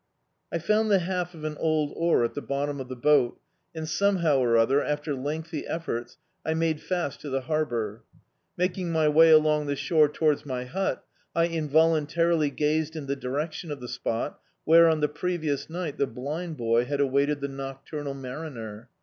I found the half of an old oar at the bottom of the boat, and somehow or other, after lengthy efforts, I made fast to the harbour. Making my way along the shore towards my hut, I involuntarily gazed in the direction of the spot where, on the previous night, the blind boy had awaited the nocturnal mariner.